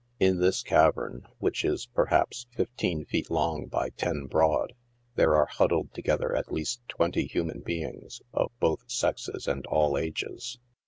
In this cavern, which is, perhaps, fifteen feet long 'by ten broad, there are huddled together at least twenty human beings, of both sexes and all ages.